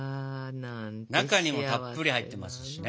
中にもたっぷり入ってますしね。